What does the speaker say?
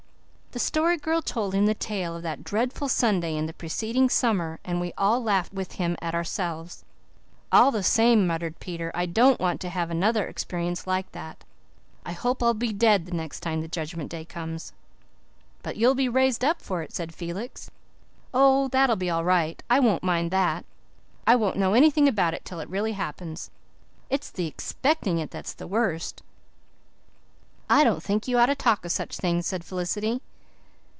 The Story Girl told him the tale of that dreadful Sunday in the preceding summer and we all laughed with him at ourselves. "All the same," muttered Peter, "I don't want to have another experience like that. I hope I'll be dead the next time the Judgment Day comes." "But you'll be raised up for it," said Felix. "Oh, that'll be all right. I won't mind that. I won't know anything about it till it really happens. It's the expecting it that's the worst." "I don't think you ought to talk of such things," said Felicity.